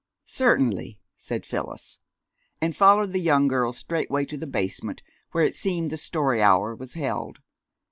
"Certainly," said Phyllis, and followed the younger girl straightway to the basement, where, it seemed, the story hour was held.